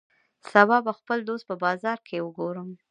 سبا به خپل دوست په بازار کی وګورم